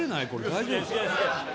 大丈夫？